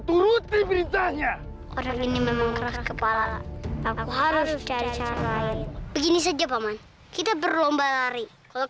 turuti beritanya orang ini memang kepala harus cari begini saja paman kita berlomba lari kalau kalah harus menuruti perintahku kalau kalah harus menuruti perintahku kalau kalah harus menuruti perintahku